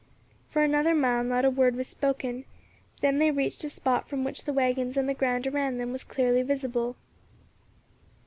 For another mile not a word was spoken; then they reached a spot from which the waggons and the ground around them was clearly visible.